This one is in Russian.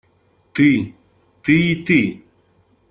Ты… ты и ты.